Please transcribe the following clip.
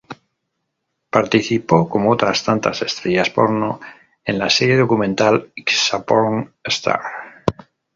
Participó, como otras tantas estrellas porno, en la serie documental "Ask A Porn Star".